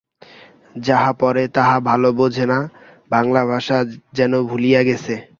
যাহা পড়ে তাহা ভালো বোঝে না, বাংলা ভাষা যেন ভুলিয়া গেছে।